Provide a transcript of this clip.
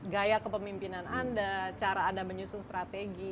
gaya kepemimpinan anda cara anda menyusun strategi